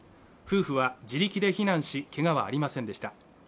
夫婦は自力で避難しけがはありませんでした